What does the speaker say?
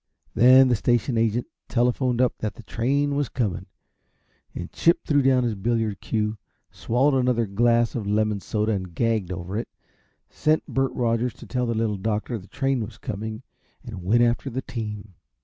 Then the station agent telephoned up that the train was coming, and Chip threw down his billiard cue, swallowed another glass of lemon soda and gagged over it, sent Bert Rogers to tell the Little Doctor the train was coming, and went after the team.